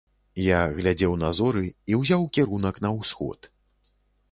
Я глядзеў на зоры і ўзяў кірунак на ўсход.